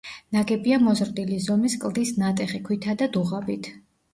ნაგებია მოზრდილი ზომის კლდის ნატეხი ქვითა და დუღაბით.